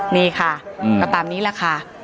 นี่ค่ะก็ตามนี้แหละค่ะ